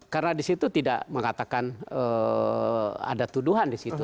karena di situ tidak mengatakan ada tuduhan di situ